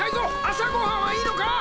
あさごはんはいいのか！？